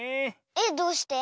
えっどうして？